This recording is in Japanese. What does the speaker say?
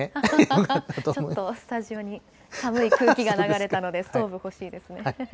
ちょっとスタジオに寒い空気が流れたので、ストーブ欲しいですね。